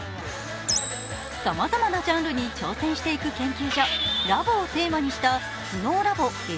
さまざまなジャンルに挑戦していく研究所、ラボをテーマにした「ＳｎｏｗＬａｂｏ．Ｓ２」。